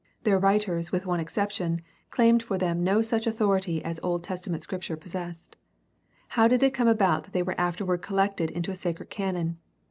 Their writers with one exception claimed for them no such authority as Old Testament Scripture possessed. How did it come about that they were afterward collected into a sacred canon?